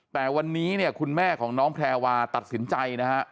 แต่วันนี้คุณแม่ของน้องแพรวาตัดสินใจ